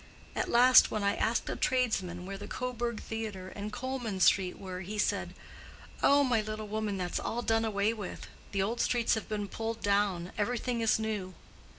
At last when I asked a tradesman where the Coburg Theatre and Colman Street were, he said, 'Oh, my little woman, that's all done away with. The old streets have been pulled down; everything is new.